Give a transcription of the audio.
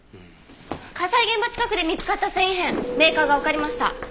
火災現場近くで見つかった繊維片メーカーがわかりました。